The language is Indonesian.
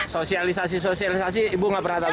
sosialisasi sosialisasi ibu gak pernah tahu juga